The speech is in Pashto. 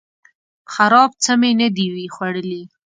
خراب څه می نه دي خوړلي